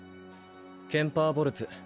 ケンパー・ボルツ。